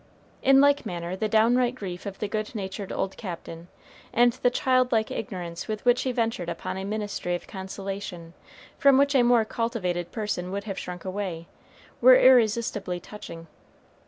In like manner the downright grief of the good natured old Captain, and the child like ignorance with which he ventured upon a ministry of consolation from which a more cultivated person would have shrunk away, were irresistibly touching.